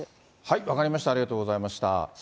分かりました、ありがとうございました。